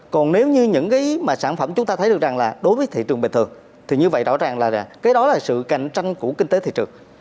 còn nếu như những cái mà sản phẩm chúng ta thấy được rằng là đối với thị trường bình thường thì như vậy rõ ràng là cái đó là sự cạnh tranh của kinh tế thị trường